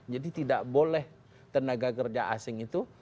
jadi tidak boleh tenaga kerja asing itu